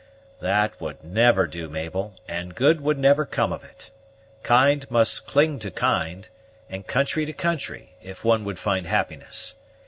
"That would never do, Mabel, and good would never come of it. Kind must cling to kind, and country to country, if one would find happiness.